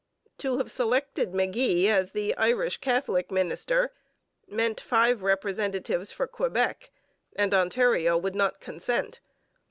To have selected McGee as the Irish Catholic minister meant five representatives for Quebec, and Ontario would not consent.